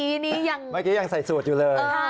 ทำไมมักกี้ยังใส่สูทอยู่เลย